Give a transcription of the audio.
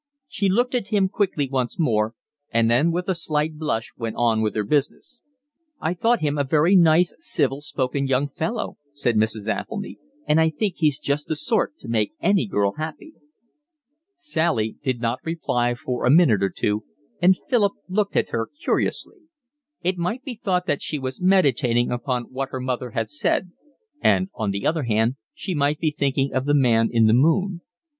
She looked at him quickly once more, and then with a slight blush went on with her business. "I thought him a very nice civil spoken young fellow," said Mrs. Athelny, "and I think he's just the sort to make any girl happy." Sally did not reply for a minute or two, and Philip looked at her curiously: it might be thought that she was meditating upon what her mother had said, and on the other hand she might be thinking of the man in the moon.